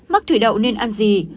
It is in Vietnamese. mắc thủy đậu nên ăn gì